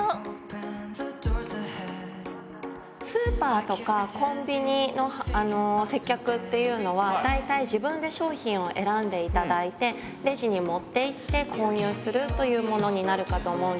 スーパーとかコンビニの接客っていうのは大体自分で商品を選んでいただいてレジに持っていって購入するというものになるかと思うんですけれども。